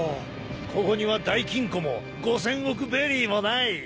ここには大金庫も５，０００億ベリーもない。